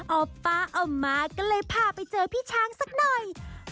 ป้าเอามาก็เลยพาไปเจอพี่ช้างสักหน่อย